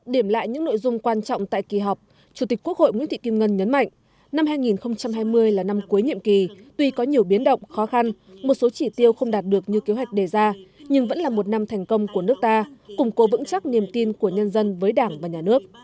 điểm lại những nội dung quan trọng tại kỳ họp chủ tịch quốc hội nguyễn thị kim ngân nhấn mạnh năm hai nghìn hai mươi là năm cuối nhiệm kỳ tuy có nhiều biến động khó khăn một số chỉ tiêu không đạt được như kế hoạch đề ra nhưng vẫn là một năm thành công của nước ta củng cố vững chắc niềm tin của nhân dân với đảng và nhà nước